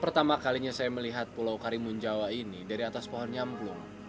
pertama kalinya saya melihat pulau karimun jawa ini dari atas pohon nyamplung